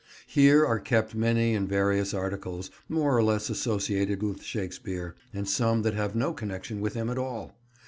Here are kept many and various articles more or less associated with Shakespeare, and some that have no connection with him at all.